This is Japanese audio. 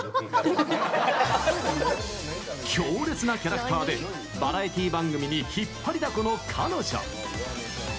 強烈なキャラクターでバラエティ番組に引っ張りだこの彼女。